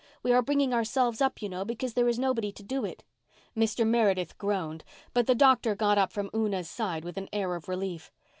We are bringing ourselves up, you know, because there is nobody to do it." Mr. Meredith groaned, but the doctor got up from Una's side with an air of relief.